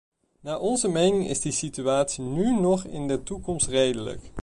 Naar onze mening is die situatie nu noch in de toekomst redelijk.